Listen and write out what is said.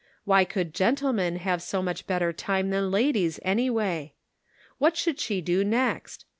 Why could gentlemen have so much better time than ladies, anyway? What should she do next